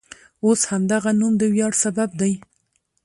اوس همدغه نوم د ویاړ سبب دی.